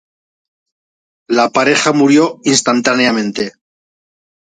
La pareja murió instantáneamente.